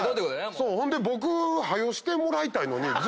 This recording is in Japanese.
ほんで僕早うしてもらいたいのに。